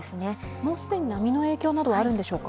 もう既に波の影響などはあるんでしょうか？